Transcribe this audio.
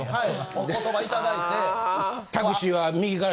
お言葉いただいて。